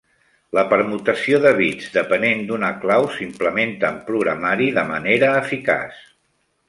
La permutació de bits depenent d'una clau s'implementa en programari de manera eficaç.